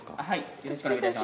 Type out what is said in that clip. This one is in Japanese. はい。